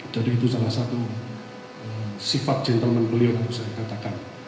jadi itu salah satu sifat gentleman beliau yang harus saya katakan